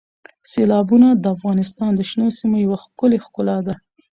سیلابونه د افغانستان د شنو سیمو یوه ښکلې ښکلا ده.